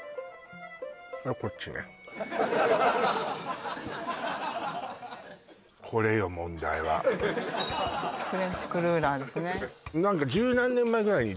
これはこっちねフレンチクルーラーですね